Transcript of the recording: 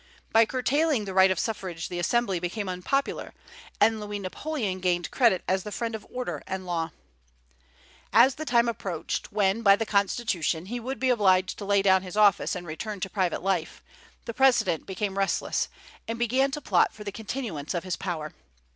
By curtailing the right of suffrage the Assembly became unpopular, and Louis Napoleon gained credit as the friend of order and law. As the time approached when, by the Constitution, he would be obliged to lay down his office and return to private life, the President became restless, and began to plot for the continuance of his power.